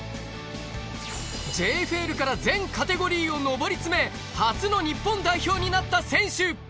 ＪＦＬから全カテゴリーを上り詰め、初の日本代表になった選手。